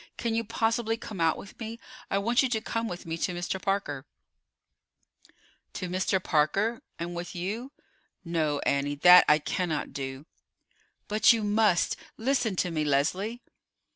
Can you possibly come out with me? I want you to come with me to Mr. Parker." "To Mr. Parker, and with you? No, Annie; that I cannot do." "But you must. Listen to me, Leslie."